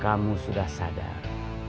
kamu sudah sadar